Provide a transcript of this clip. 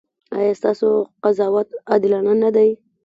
ایا ستاسو قضاوت عادلانه نه دی؟